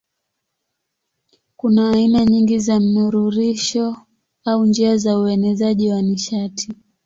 Kuna aina nyingi za mnururisho au njia za uenezaji wa nishati.